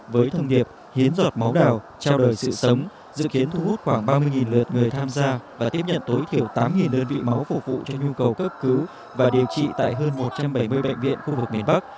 với thông điệp hiến giọt máu đào trao đời sự sống dự kiến thu hút khoảng ba mươi lượt người tham gia và tiếp nhận tối thiểu tám đơn vị máu phục vụ cho nhu cầu cấp cứu và điều trị tại hơn một trăm bảy mươi bệnh viện khu vực miền bắc